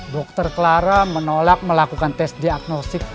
dokter klara menolak melakukan tes diagnostik